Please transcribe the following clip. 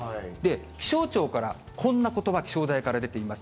気象庁からこんなことが気象台から出ています。